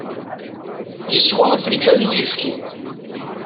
Yeswa afenǧal n uyefki.